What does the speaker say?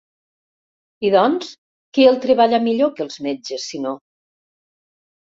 I doncs, qui el treballa millor que els metges, sinó?